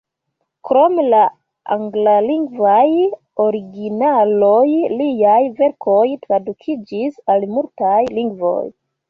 Krom la anglalingvaj originaloj, liaj verkoj tradukiĝis al multaj lingvoj.